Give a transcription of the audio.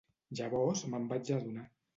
Llavors me'n vaig adonar.